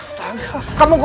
fitrnya sah oregon